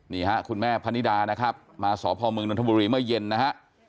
นี่ฮะคุณแม่พนิดานะครับมาสพมนทบุรีเมื่อเย็นนะฮะ